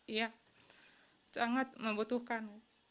iya sangat membutuhkan